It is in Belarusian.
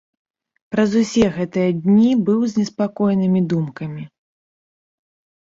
Праз усе гэтыя дні быў з неспакойнымі думкамі.